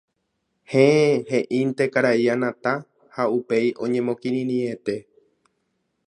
“Héẽ” heʼínte karai Anata ha upéi oñemokirirĩete.